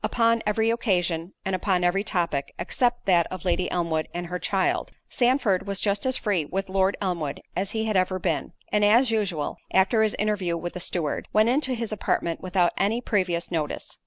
Upon every occasion, and upon every topic, except that of Lady Elmwood and her child, Sandford was just as free with Lord Elmwood as he had ever been; and as usual (after his interview with the steward) went into his apartment without any previous notice.